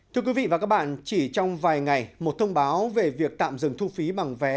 thưa quý vị và các bạn chỉ trong vài ngày một thông báo về việc tạm dừng thu phí bằng vé